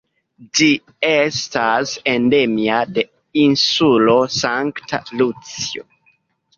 Ĝi estas endemia de Insulo Sankta Lucio.